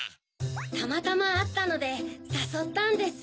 たまたまあったのでさそったんです。